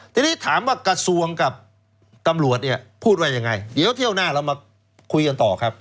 ทีนี้ถามว่ากระทรวงกับตำรวจเนี่ยพูดว่ายังไงเดี๋ยวเที่ยวหน้าเรามาคุยกันต่อครับ